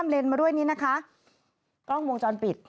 มีเกือบไปชนิดนึงนะครับ